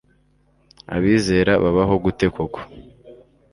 abizera babaho gute koko